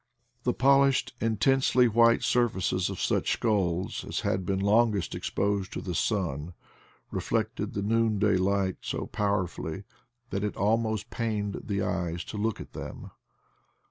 The polished intensely white surfaces of such skulls as had been longest exposed to the sun reflected the noonday light so powerfully that it almost pained the eyes to look at them.